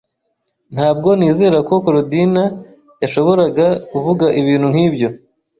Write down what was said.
Ntabwo nizera ko Korodina yashoboraga kuvuga ibintu nkibyo.